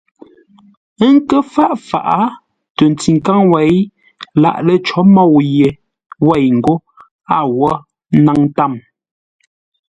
Ə́ nkə́ fâʼ faʼá tə ntikáŋ wêi lâʼ lə̂ cǒ môu ye wêi ńgó a wó ńnáŋ tâm.